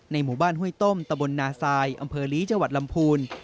หมู่บ้านห้วยต้มตะบลนาซายอำเภอลีจังหวัดลำพูน